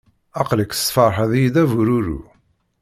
Aql-ak tesferḥeḍ-iyi-d a bururu.